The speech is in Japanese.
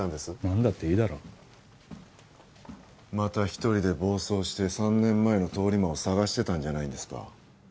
何だっていいだろまた一人で暴走して３年前の通り魔を捜してたんじゃないんですか？